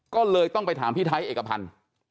ก็เลยต้องไปถามพี่ไทยเอกพันธ์